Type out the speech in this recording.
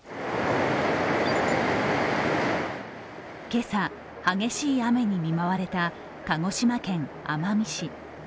今朝、激しい雨に見舞われた鹿児島県奄美市。